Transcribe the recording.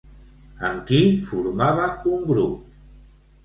Amb qui formava un grup?